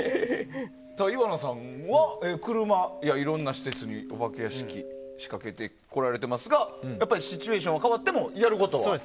岩名さんは車やいろんな施設にお化け屋敷を仕掛けてこられていますがやっぱりシチュエーションが変わってもやることは変わらない。